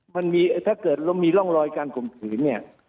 มันมีถ้าเกิดมีร่องรอยการกลมถือเนี่ย